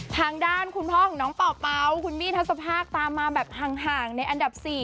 ทางด้านคุณพ่อของน้องเป่าคุณมี่ทัศภาคตามมาแบบห่างในอันดับ๔